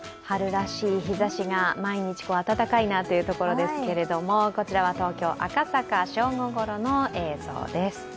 春らしい日ざしが毎日暖かいなというところですけどこちらは東京・赤坂、正午ごろの映像です。